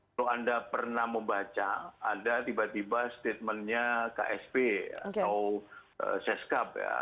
kalau anda pernah membaca ada tiba tiba statementnya ksp atau seskap ya